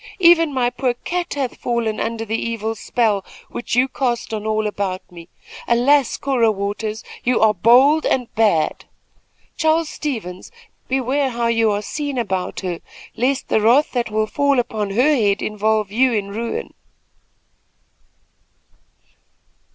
Even my poor cat hath fallen under the evil spell which you cast on all about me. Alas, Cora Waters, you are bold and bad. Charles Stevens, beware how you are seen about her, lest the wrath that will fall upon her head involve you in ruin."